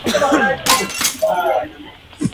Biashara ilifikia kiwango cha juu